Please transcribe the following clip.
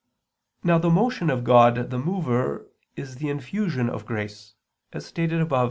Now the motion of God the Mover is the infusion of grace, as stated above (A.